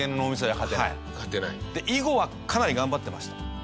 囲碁はかなり頑張ってました。